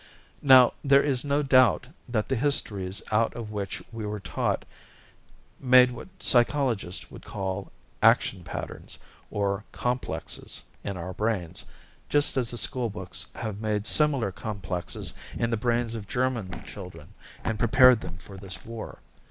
Now; there is no doubt that the histories out of which we were taught made what psychologists would call "action patterns," or "complexes," in our brains, just as the school books have made similar complexes in the brains of German children and prepared them for this war.